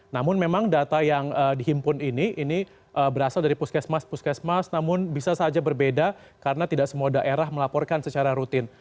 namun memang data yang dihimpun ini ini berasal dari puskesmas puskesmas namun bisa saja berbeda karena tidak semua daerah melaporkan secara rutin